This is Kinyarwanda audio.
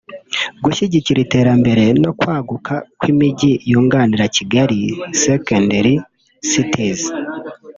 Gushyigikira iterambere no kwaguka kw’imijyi yunganira Kigali (secondary cities)